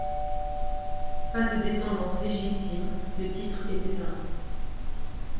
Pas de descendance légitime, le titre est éteint.